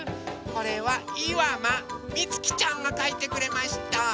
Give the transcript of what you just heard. これはいわまみつきちゃんがかいてくれました。